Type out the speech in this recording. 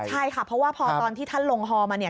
ใช่ค่ะเพราะว่าพอตอนที่ท่านลงฮอมาเนี่ย